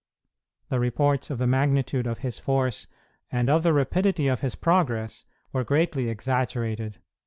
The reports of the magnitude of his force and of the rapidity of his progress were greatly exaggerated.